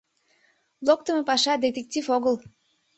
«Локтымо паша — детектив огыл!